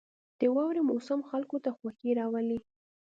• د واورې موسم خلکو ته خوښي راولي.